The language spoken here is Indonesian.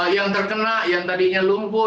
yang terkena yang tadinya lumpuh